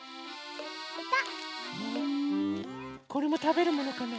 これもたべるものかな？